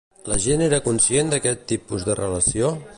La gent era conscient d'aquest tipus de relació?